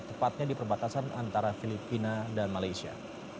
tepatnya di perbatasan antara filipina dan malaysia